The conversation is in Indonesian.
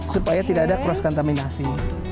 supaya tidak ada cross contaminasi